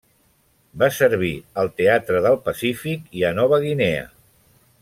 Va servir al teatre del Pacífic i a Nova Guinea.